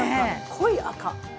濃い赤